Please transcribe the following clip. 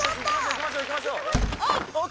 行きましょう行きましょうエイッ！